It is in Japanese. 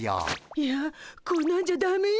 いやこんなんじゃダメよ。